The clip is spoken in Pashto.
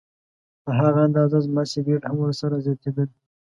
په هغه اندازه زما سګرټ هم ورسره زیاتېدل.